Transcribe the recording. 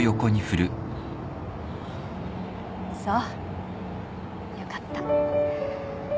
そうよかった。